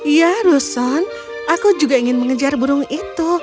ya ruson aku juga ingin mengejar burung itu